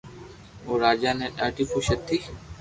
او راجا تي ڌاڌي خوݾ ھتي